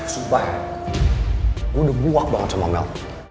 supaya gua udah buak banget sama mel